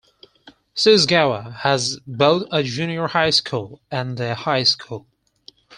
Shizugawa has both a junior high school and a high school.